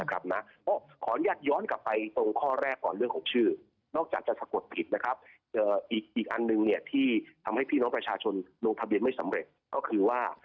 ขออนุญาตย้อนกลับค่ะไปตรงข้อแรกของชื่อนอกจากจะสะกดผิดอีกอันหนึ่งที่ทำให้พี่น้องประชาชนลงทะเบียนไม่สำเร็จ